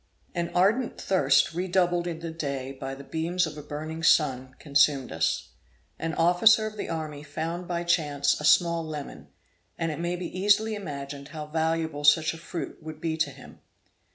An ardent thirst, redoubled in the day by the beams of a burning sun, consumed us. An officer of the army found by chance a small lemon, and it may be easily imagined how valuable such a fruit would be to him.